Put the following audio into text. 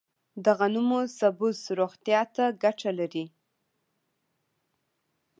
د غنمو سبوس روغتیا ته ګټه لري.